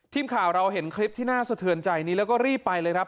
ทีมข่าวเราเห็นคลิปที่น่าสะเทือนใจนี้แล้วก็รีบไปเลยครับ